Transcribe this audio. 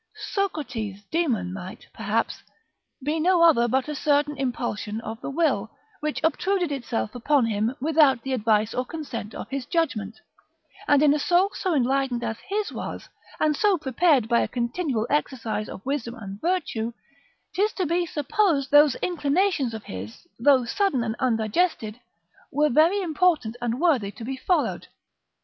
Socrates demon might, perhaps, be no other but a certain impulsion of the will, which obtruded itself upon him without the advice or consent of his judgment; and in a soul so enlightened as his was, and so prepared by a continual exercise of wisdom and virtue, 'tis to be supposed those inclinations of his, though sudden and undigested, were very important and worthy to be followed.